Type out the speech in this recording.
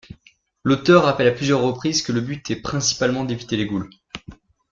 L'auteur rappelle à plusieurs reprises que le but est principalement d'éviter les goules.